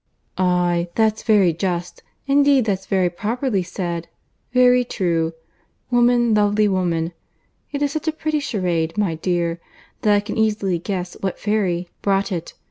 "Aye, that's very just, indeed, that's very properly said. Very true. 'Woman, lovely woman.' It is such a pretty charade, my dear, that I can easily guess what fairy brought it.